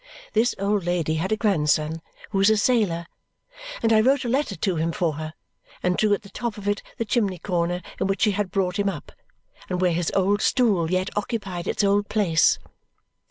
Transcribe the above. This old lady had a grandson who was a sailor, and I wrote a letter to him for her and drew at the top of it the chimney corner in which she had brought him up and where his old stool yet occupied its old place.